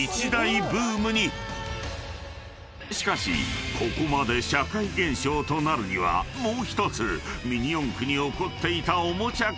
［しかしここまで社会現象となるにはもう１つミニ四駆に起こっていたおもちゃ革命があった］